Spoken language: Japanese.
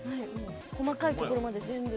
細かいところまで全部。